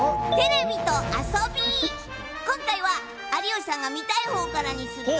今回は、有吉さんが見たいほうからにするよ。